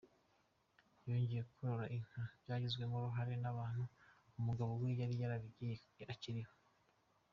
Yongeye korora inka byagizwemo uruhare n’abantu umugabo we yari yaragabiye akiriho.